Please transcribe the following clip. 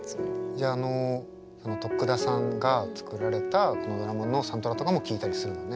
じゃああのこの得田さんが作られたこのドラマのサントラとかも聴いたりするのね。